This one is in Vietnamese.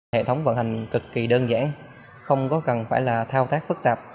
hệ thống vận hành cực kỳ đơn giản không có cần phải là thao tác phức tạp